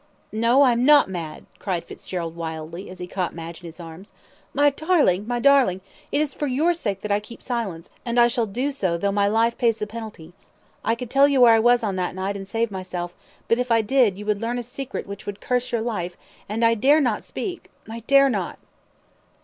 "No, I am not mad," cried Fitzgerald, wildly, as he caught Madge in his arms. "My darling! My darling! It is for your sake that I keep silence, and I shall do so though my life pays the penalty. I could tell you where I was on that night and save myself: but if I did, you would learn a secret which would curse your life, and I dare not speak I dare not."